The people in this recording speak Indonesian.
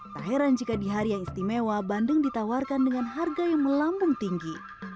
tak heran jika di hari yang istimewa bandeng ditawarkan dengan harga yang melambung tinggi